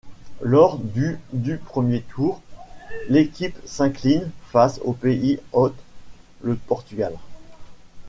Lors du du premier tour, l'équipe s'incline face au pays hôte, le Portugal.